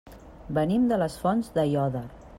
Venim de les Fonts d'Aiòder.